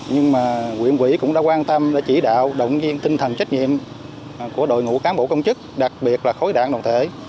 nhưng mà quyện quỹ cũng đã quan tâm đã chỉ đạo động viên tinh thần trách nhiệm của đội ngũ cán bộ công chức đặc biệt là khối đạn đoàn thể